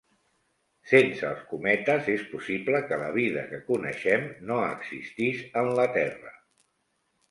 Sense els cometes és possible que la vida que coneixem no existís en la Terra.